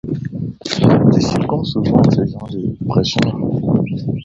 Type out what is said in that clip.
La jeune margravine de Bade n'apporte qu'une dot peu élevée.